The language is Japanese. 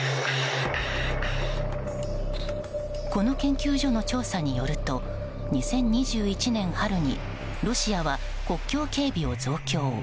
この研究所の調査によると２０２１年春にロシアは国境警備を増強。